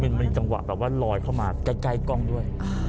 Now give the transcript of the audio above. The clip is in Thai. มันมีจังหวะลอยเข้ามาแก้ก้องด้วย